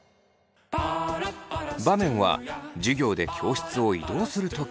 場面は授業で教室を移動する時。